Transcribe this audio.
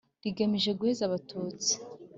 rigamije guheza Abatutsi